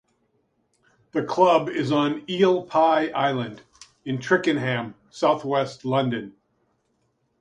The club is on Eel Pie Island in Twickenham, south-west London.